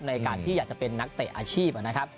ในการที่อยากจะเป็นนักเตะอาชีพนะครับ